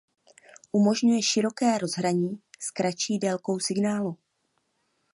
Umožňuje široké rozhraní s kratší délkou signálu.